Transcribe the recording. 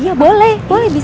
iya boleh boleh bisa